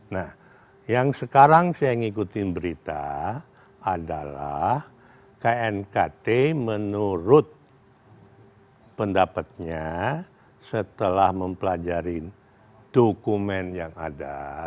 nah yang sekarang saya ngikutin berita adalah knkt menurut pendapatnya setelah mempelajari dokumen yang ada